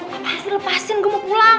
apaan sih lepasin gue mau pulang